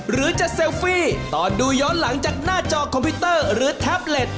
หรือจะเซลฟี่ตอนดูย้อนหลังจากหน้าจอคอมพิวเตอร์หรือแท็บเล็ต